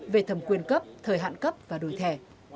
về thẩm quyền cấp thời hạn cấp và đổi thẻ